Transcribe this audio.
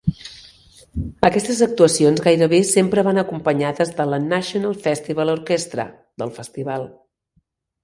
Aquestes actuacions gairebé sempre van acompanyades de la "National Festival Orchestra" del festival.